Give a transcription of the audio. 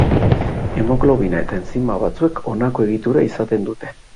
Hemoglobina eta entzima batzuek honako egitura izaten dute.